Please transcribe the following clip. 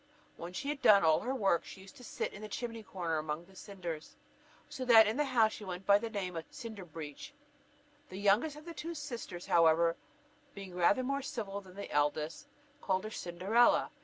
When she had done all her work she used to sit in the chimney corner among the cinders; so that in the house she went by the name of Cinderbreech. The youngest of the two sisters, however, being rather more civil than the eldest, called her Cinderella.